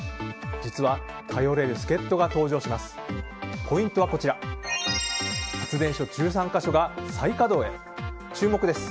実は頼れる助っ人が登場します。